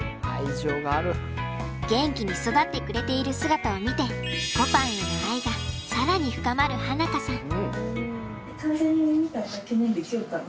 元気に育ってくれている姿を見てこぱんへの愛が更に深まる花香さん。